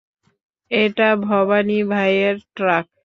এটা ভবানী ভাইয়ের ট্রাক।